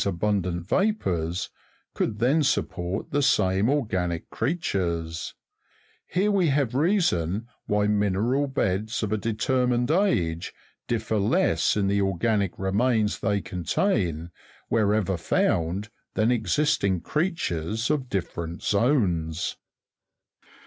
abundant vapours, could then support the same organic creatures ; here we have the reason why mineral beds, of a determined age, differ less in the organic remains they contain, wherever found, than existing creatures of different zones.